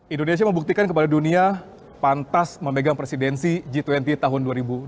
indonesia membuktikan kepada dunia pantas memegang presidensi g dua puluh tahun dua ribu dua puluh